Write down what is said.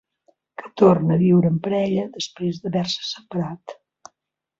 Que torna a viure en parella, després d'haver-se separat.